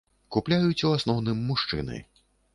Купляюць у асноўным мужчыны.